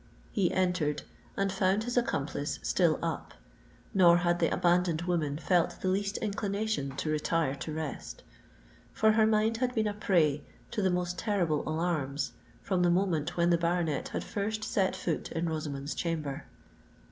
He entered, and found his accomplice still up; nor had the abandoned woman felt the least inclination to retire to rest. For her mind had been a prey to the most terrible alarms, from the moment when the baronet had first set foot in Rosamond's chamber.